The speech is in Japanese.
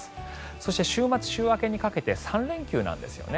そして週末、週明けにかけて３連休なんですよね